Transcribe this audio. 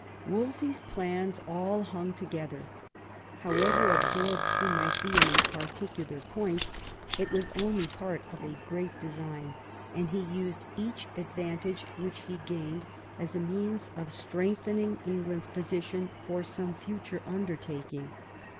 Wolsey's plans all hung together. However absorbed he might be in a particular point it was only part of a great design, and he used each ad vantage which he gained as a means of strengthening England's position for some future undertaking.